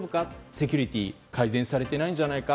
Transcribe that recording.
セキュリティーが改善されてないんじゃないか？